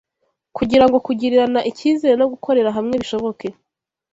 Kugira ngo kugirirana icyizere no gukorera hamwe bishoboke